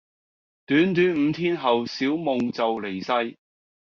短短五天後小夢就離世